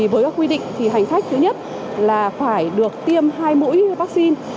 với các quy định thì hành khách thứ nhất là phải được tiêm hai mũi vaccine